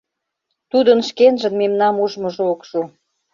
Тудын шкенжын мемнам ужмыжо ок шу.